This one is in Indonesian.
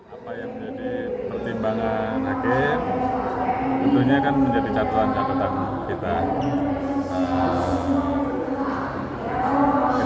apa yang menjadi pertimbangan agen tentunya akan menjadi catuan jakarta kita